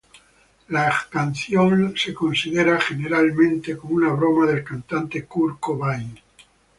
La canción es generalmente considerada como una broma del cantante Kurt Cobain.